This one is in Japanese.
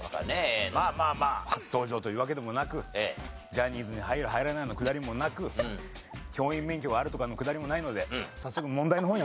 初登場というわけでもなくジャニーズに入る入らないのくだりもなく教員免許があるとかのくだりもないので早速問題の方に。